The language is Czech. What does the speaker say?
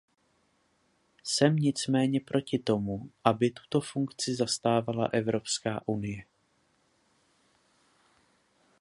Jsem nicméně proti tomu, aby tuto funkci zastávala Evropská unie.